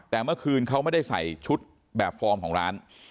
แต่เมื่อคืนเขาไม่ได้ใส่ชุดแบบฟอร์มของร้าน